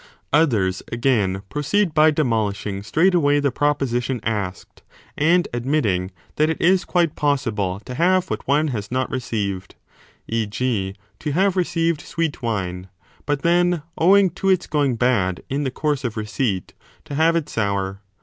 Others, again, proceed by demolishing straight away the proposition asked, and admitting that it is quite possible to have what one has not received ; e. g. to have received 15 sweet wine, but then, owing to its going bad in the course of receipt, to have it sour.